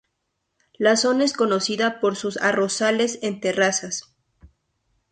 La zona es conocida por sus arrozales en terrazas.